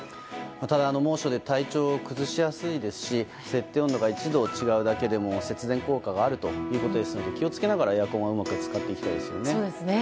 ただ、猛暑で体調を崩しやすいですし設定温度が１度違うだけでも節電効果があるということですので気を付けながらエアコンをうまく使っていきたいですね。